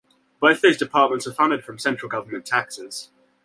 Both these departments are funded from central government taxes.